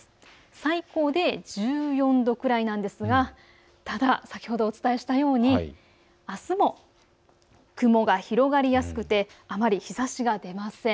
最高で１４度ぐらいなんですがただ先ほどお伝えしたようにあすも雲が広がりやすくてあまり日ざしが出ません。